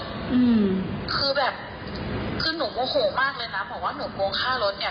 อืมคือแบบคือหนูโมโหมากเลยนะบอกว่าหนูโกงค่ารถเนี้ย